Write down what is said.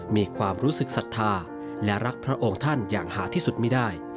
มีความรู้สึกศรัทธาและรักพระองค์ท่านอย่างหาที่สุดไม่ได้